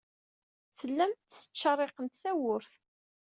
Tellamt tettcerriqemt tawwurt.